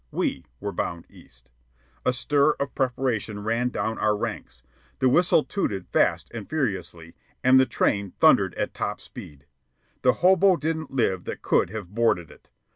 We were bound east. A stir of preparation ran down our ranks. The whistle tooted fast and furiously, and the train thundered at top speed. The hobo didn't live that could have boarded it.